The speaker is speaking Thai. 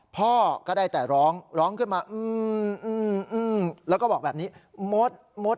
พ่อก็ได้แต่ร้องร้องขึ้นมาแล้วก็บอกแบบนี้มดมด